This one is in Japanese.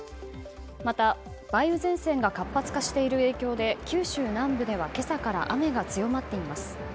また、梅雨前線が活発化している影響で九州南部では今朝から雨が強まっています。